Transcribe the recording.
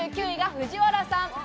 １８４９位が藤原さん。